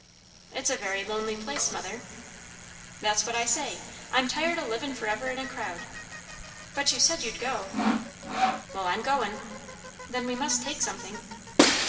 "It's a very lonely place, mother." "That's what I say. I'm tired o' livin' for ever in a crowd." "But you said you'd go?" "Well, I'm goin'!" "Then we must take something."